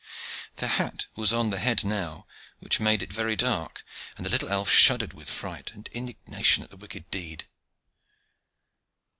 The hat was on the head now, which made it very dark, and the little elf shuddered with fright and indignation at the wicked deed.